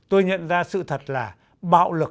tôi nhận ra sự thật là bạo lực